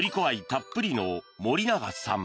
たっぷりの森永さん。